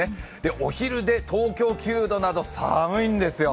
お昼で東京９度など寒いんですよ。